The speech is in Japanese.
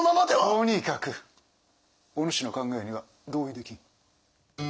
とにかくお主の考えには同意できん。